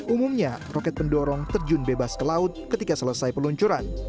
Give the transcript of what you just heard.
umumnya roket pendorong terjun bebas ke laut ketika selesai peluncuran